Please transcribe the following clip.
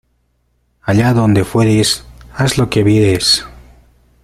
Allá donde fueres, haz lo que vieres.